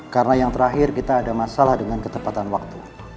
karena yang terakhir kita ada masalah dengan ketepatan waktu